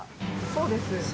そうです。